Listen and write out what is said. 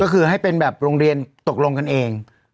ก็คือให้เป็นแบบโรงเรียนตกลงกันเอง